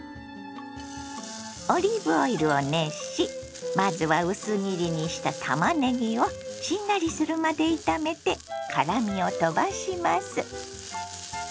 オリーブオイルを熱しまずは薄切りにしたたまねぎをしんなりするまで炒めて辛みを飛ばします。